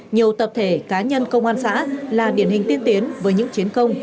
nhiều tập thể cá nhân công an xã là điển hình tiên tiến với những chiến công